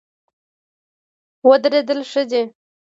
ودرېدل ښه دی.